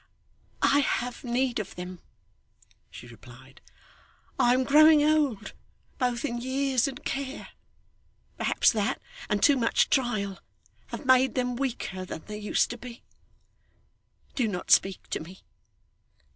'I have need of them,' she replied. 'I am growing old, both in years and care. Perhaps that, and too much trial, have made them weaker than they used to be. Do not speak to me.